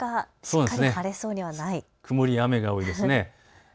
曇りや雨が多いですね。